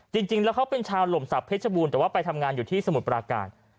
จริงแล้วเขาเป็นชาวหล่มศักดิชบูรณ์แต่ว่าไปทำงานอยู่ที่สมุทรปราการ